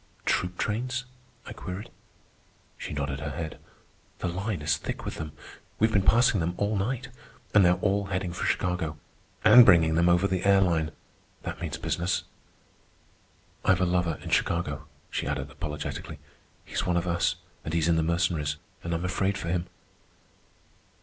"Troop trains?" I queried. She nodded her head. "The line is thick with them. We've been passing them all night. And they're all heading for Chicago. And bringing them over the air line—that means business. "I've a lover in Chicago," she added apologetically. "He's one of us, and he's in the Mercenaries, and I'm afraid for him."